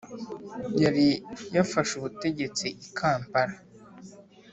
yari yafashe ubutegetsi i kampala.